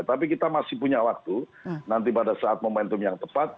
tapi kita masih punya waktu nanti pada saat momentum yang tepat